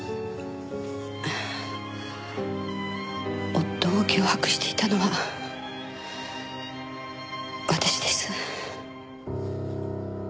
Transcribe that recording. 夫を脅迫していたのは私です。